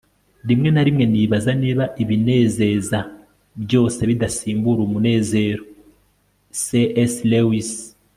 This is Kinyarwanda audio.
rimwe na rimwe nibaza niba ibinezeza byose bidasimbura umunezero - c s lewis